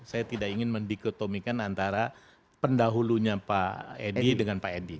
saya tidak ingin mendikotomikan antara pendahulunya pak edi dengan pak edi